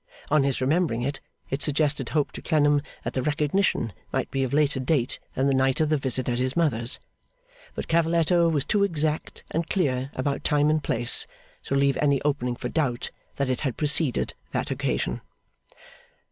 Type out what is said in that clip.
On his remembering it, it suggested hope to Clennam that the recognition might be of later date than the night of the visit at his mother's; but Cavalletto was too exact and clear about time and place, to leave any opening for doubt that it had preceded that occasion.